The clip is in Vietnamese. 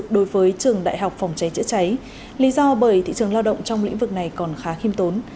đối với trường đại học phòng cháy chữa cháy lý do bởi thị trường lao động trong lĩnh vực này còn khá khiêm tốn